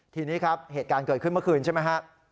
ทีนี้ครับเหตุการณ์เกิดขึ้นเมื่อคืนใช่ไหมฮะ